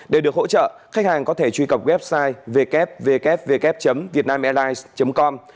để được hỗ trợ khách hàng có thể truy cập website www vietnamairlines com